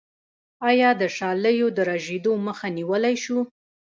آیا د شالیو د رژیدو مخه نیولی شو؟